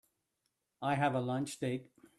I have a lunch date.